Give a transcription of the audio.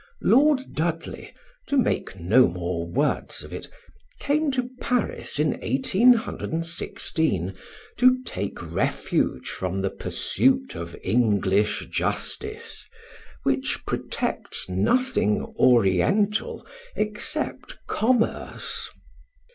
Lord Dudley, to make no more words of it, came to Paris in 1816 to take refuge from the pursuit of English justice, which protects nothing Oriental except commerce.